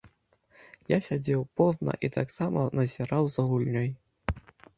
Я сядзеў позна і таксама назіраў за гульнёй.